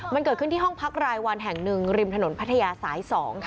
มันเกิดขึ้นที่ห้องพักรายวันแห่งหนึ่งริมถนนพัทยาสาย๒